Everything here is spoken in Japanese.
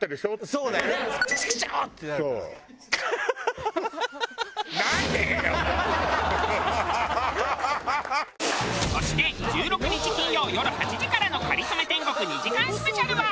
そして１６日金曜よる８時からの『かりそめ天国』２時間スペシャルは。